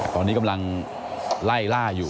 ตอนนี้กำลังไล่ล่าอยู่